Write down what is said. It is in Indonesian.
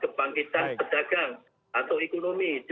kebangkitan pedagang atau ekonomi